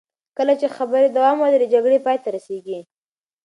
کله چې خبرې دوام ولري، جګړې پای ته رسېږي.